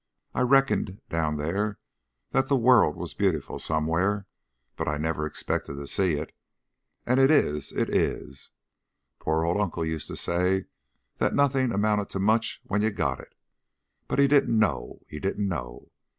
"I reckoned down there that the world was beautiful somewhere, but I never expected to see it. And it is, it is. Poor old uncle used to say that nothing amounted to much when you got it, but he didn't know, he didn't know.